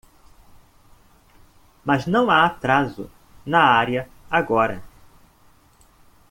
Mas não há atraso na área agora.